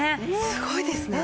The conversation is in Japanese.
すごいですね！